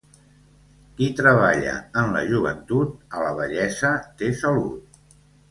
Qui treballa en la joventut, a la vellesa té salut.